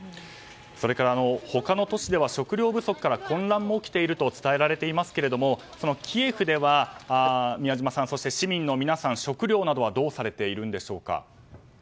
それから他の都市では食料不足から混乱も起きていると伝えられていますけれどもキエフでは、宮嶋さんそして市民の皆さん食料はどうしているんでしょうか。